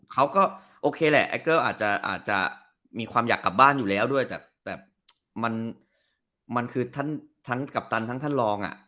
เขาก็โอเคแหละแอคเกอร์อาจจะมีความอยากกลับบ้านอยู่แล้วด้วยแต่มันคือทั้งกัปตันทั้งท่านรองอ่ะ